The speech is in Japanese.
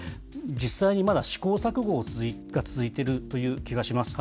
実際に、まだ試行錯誤が続いているという気がします。